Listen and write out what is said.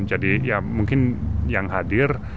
jadi ya mungkin yang hadir